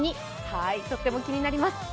はい、とっても気になります